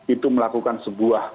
itu melakukan sebuah